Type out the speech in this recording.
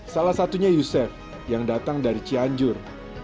salah satunya yusef yang datang dari cianjur